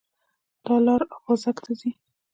دا لار اببازک ته ځي